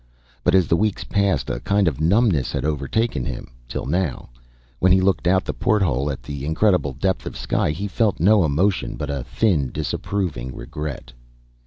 But as the weeks passed, a kind of numbness had overtaken him, till now, when he looked out the porthole at the incredible depth of sky, he felt no emotion but a thin, disapproving regret.